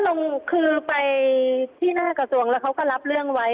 ลงคือไปที่หน้ากระทรวงแล้วเขาก็รับเรื่องไว้